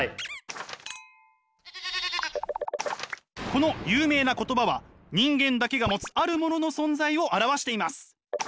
この有名な言葉は人間だけが持つあるものの存在を表しています。